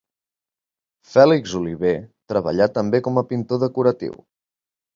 Fèlix Oliver treballà també com a pintor decoratiu.